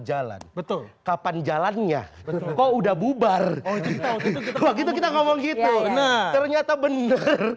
jalan betul kapan jalannya betul kok udah bubar oh gitu waktu kita ngomong gitu nah ternyata bener